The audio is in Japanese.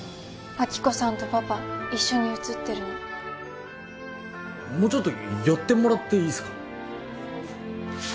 亜希子さんとパパ一緒に写ってるのもうちょっと寄ってもらっていいすか？